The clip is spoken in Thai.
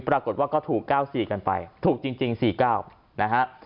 ปรากฏว่าก็ถูก๙๔กันไปถูกจริง๔๙นะฮะ